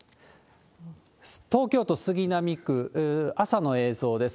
東京都杉並区、朝の映像です。